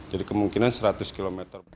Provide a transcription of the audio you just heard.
jadi kemungkinan seratus km